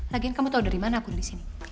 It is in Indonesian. lagian kamu tau dari mana aku ada disini